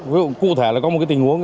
ví dụ cụ thể là có một tình huống